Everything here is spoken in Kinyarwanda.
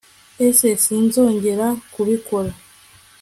ese sinzongera kubikora